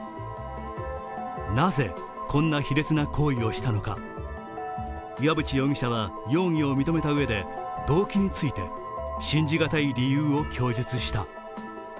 なぜ、こんな卑劣な行為をしたのか岩渕容疑者は容疑を認めたうえで、動機について信じがたい理由を供述した。